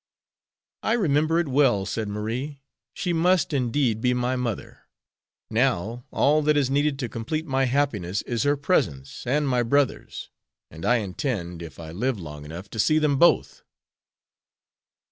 "I remember it well," said Marie, "she must, indeed, be my mother. Now, all that is needed to complete my happiness is her presence, and my brother's. And I intend, if I live long enough, to see them both."